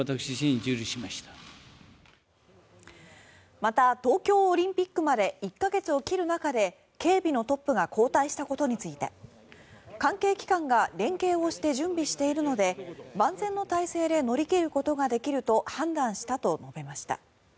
また東京オリンピックまで１か月を切る中で警備のトップが交代したことについて関係機関が連携をして準備しているので万全の体制で乗り切ることができると判断したと述べました。